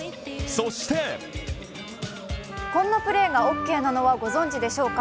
そしてこんなプレーがオーケーなのはご存じでしょうか。